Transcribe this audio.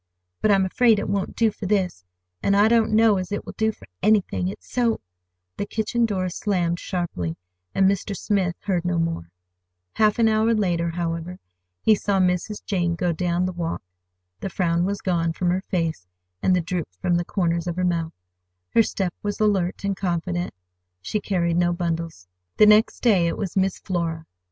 "But I'm afraid it won't do for this, and I don't know as it will do for anything, it's so—" The kitchen door slammed sharply, and Mr. Smith heard no more. Half an hour later, however, he saw Mrs. Jane go down the walk. The frown was gone from her face and the droop from the corners of her mouth. Her step was alert and confident. She carried no bundle. The next day it was Miss Flora.